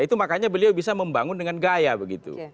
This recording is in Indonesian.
itu makanya beliau bisa membangun dengan gaya begitu